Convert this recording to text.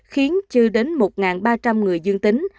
khiến chưa đến một ba trăm linh người dương tính